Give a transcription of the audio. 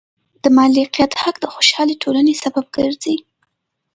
د مالکیت حق د خوشحالې ټولنې سبب ګرځي.